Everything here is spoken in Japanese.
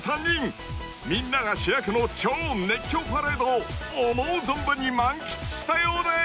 ［みんなが主役の超熱狂パレードを思う存分に満喫したようです！］